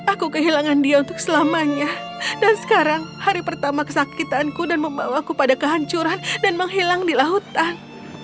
aku kehilangan dia untuk selamanya dan sekarang hari pertama kesakitanku dan membawaku pada kehancuran dan menghilang di lautan